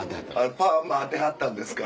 パーマあてはったんですか。